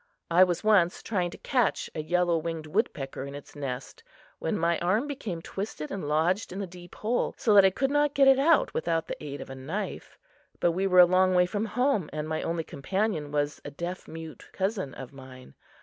I was once trying to catch a yellow winged woodpecker in its nest when my arm became twisted and lodged in the deep hole so that I could not get it out without the aid of a knife; but we were a long way from home and my only companion was a deaf mute cousin of mine.